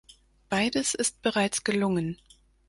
Beides ist bereits gelungen.